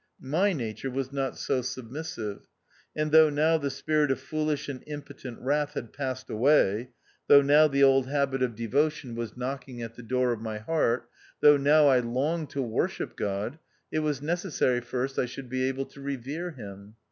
My nature was not so submissive, and though now the spirit of foolish and impotent wrath had passed away — though now the old habit of devo THE OUTCAST. 239 tion was knocking at the door of my heart — though now I longed to worship God, it was necessary first I should be able to revere him.